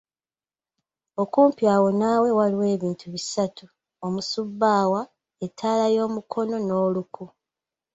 Okumpi awo naawe waliwo ebintu bisatu; omusubbaawa, ettaala y’omukono n’oluku.